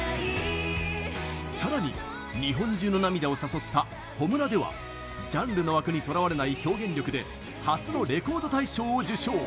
さらに、日本中の涙を誘った「炎」ではジャンルの枠にとらわれない表現力で初のレコード大賞を受賞。